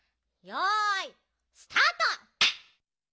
よいスタート！